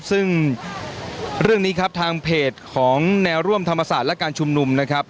ซึ่งเรื่องนี้ครับทางเพจของแนวร่วมธรรมศาสตร์และการชุมนุมนะครับ